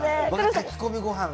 炊き込みごはん